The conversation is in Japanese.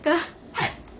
はい。